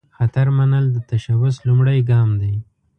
خطر منل، د تشبث لومړۍ ګام دی.